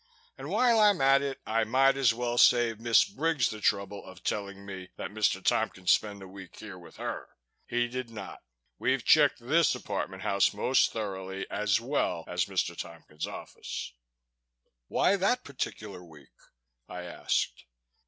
"And while I'm at it I might as well save Miss Briggs the trouble of telling me that Mr. Tompkins spent that week here with her. He did not. We've checked this apartment house most thoroughly, as well as Mr. Tompkins' office." "Why that particular week?" I asked.